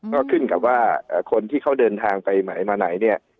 ก็ขึ้นกับว่าคนที่เขาเดินทางไปไหนมาไหนเนี่ย